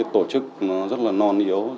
tổ chức nó rất là non yếu